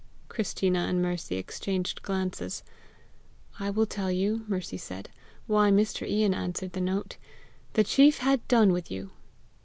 Christina and Mercy exchanged glances. "I will tell you," Mercy said, "why Mr. lau answered the note: the chief had done with you!"